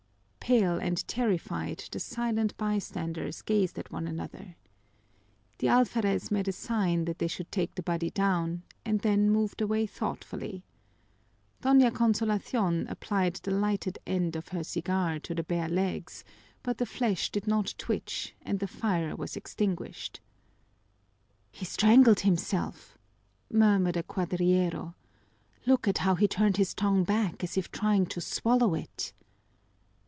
Pale and terrified, the silent bystanders gazed at one another. The alferez made a sign that they should take the body down, and then moved away thoughtfully. Doña Consolation applied the lighted end of her cigar to the bare legs, but the flesh did not twitch and the fire was extinguished. "He strangled himself," murmured a cuadrillero. "Look how he turned his tongue back as if trying to swallow it."